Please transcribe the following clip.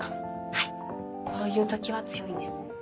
はいこういう時は強いんです。